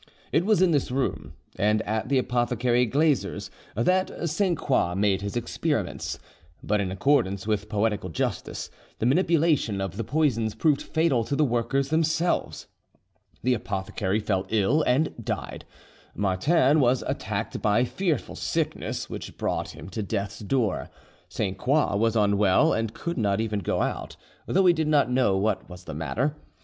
It was in this room and at the apothecary Glazer's that Sainte Croix made his experiments; but in accordance with poetical justice, the manipulation of the poisons proved fatal to the workers themselves. The apothecary fell ill and died; Martin was attacked by fearful sickness, which brought, him to death's door. Sainte Croix was unwell, and could not even go out, though he did not know what was the matter.